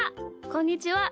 こんにちは。